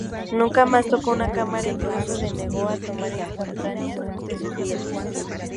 Nunca más tocó una cámara, incluso se negó a tomar instantáneas de sus nietos.